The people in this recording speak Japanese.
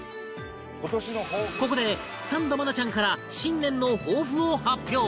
ここでサンド愛菜ちゃんから新年の抱負を発表